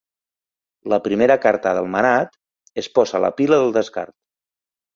La primera carta del manat es posa a la pila del descart.